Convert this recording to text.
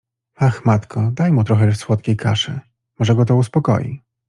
Ach, matko, daj mu trochę słodkiej kaszy… może go to uspokoi.